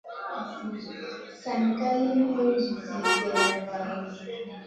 San ka lì nul Zi dilla valamu.